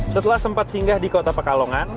setelah sempat singgah di kota pekalongan